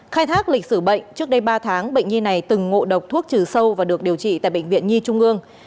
khai thác lịch sử bệnh trước đây ba tháng bệnh nhi này từng ngộ độc thuốc trừ sâu và được điều trị tại bệnh viện nhi trung ương